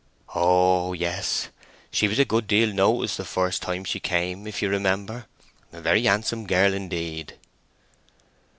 "Oh yes; she was a good deal noticed the first time she came, if you remember. A very handsome girl indeed."